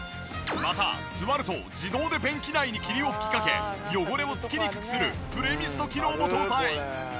また座ると自動で便器内に霧を吹きかけ汚れを付きにくくするプレミスト機能も搭載。